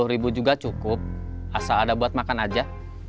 sepuluh ribu juga cukup asal ada buat makan aja